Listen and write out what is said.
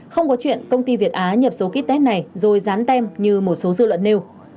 không có chuyện công ty việt á nhập số ký test này rồi dán tem như một số dư luận nêu